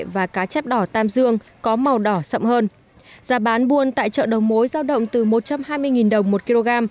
và cá chép đỏ tam dương có màu đỏ sậm hơn giá bán buôn tại chợ đầu mối giao động từ một trăm hai mươi đồng một kg